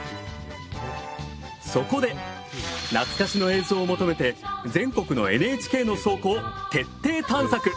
そこで懐かしの映像を求めて全国のＮＨＫの倉庫を徹底探索！